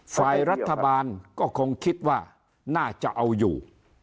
ฝ่ายรัฐบาลก็คงคิดว่าน่าจะเอาอยู่